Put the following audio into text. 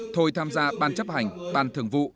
thôi tham gia ban chấp hành ban thường vụ